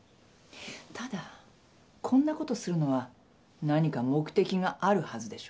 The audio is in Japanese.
ただこんなことするのは何か目的があるはずでしょ？